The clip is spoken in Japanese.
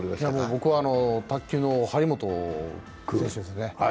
僕は卓球の張本選手ですね。